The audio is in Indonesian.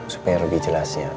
supaya lebih jelasnya